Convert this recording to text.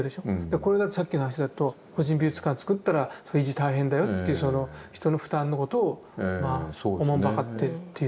これがさっきの話だと「個人美術館造ったら維持大変だよ」という人の負担のことをおもんばかってっていう。